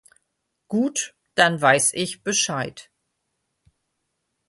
Gut, dann weiß ich Bescheid.